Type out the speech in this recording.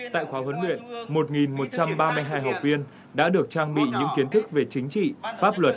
tại khóa huấn luyện một một trăm ba mươi hai học viên đã được trang bị những kiến thức về chính trị pháp luật